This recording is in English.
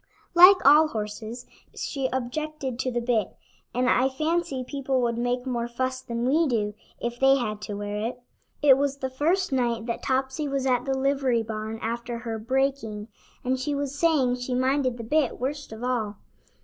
Like all horses, she objected to the bit, and I fancy people would make more fuss than we do, if they had to wear it. It was the first night that Topsy was at the livery barn after her "breaking," and she was saying she minded the bit worst of all.